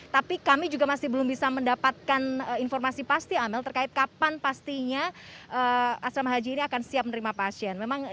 tapi kami juga masih belum bisa mendapatkan informasi pasti amel terkait kapan pastinya asrama haji ini akan siap menerima pasien